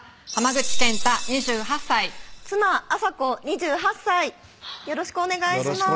口健太２８歳妻・亜沙子２８歳よろしくお願いします